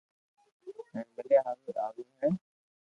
ھين مليا ھارون آويو ھي